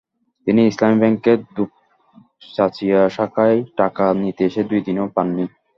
তিনি ইসলামী ব্যাংকের দুপচাঁচিয়া শাখায় টাকা নিতে এসে দুই দিনেও পাননি।